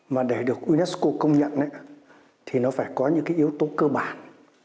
và để được unesco công nhận thì nó phải có những yếu tố cơ bản